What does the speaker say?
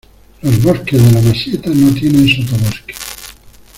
Los bosques de la Masieta no tienen sotobosque.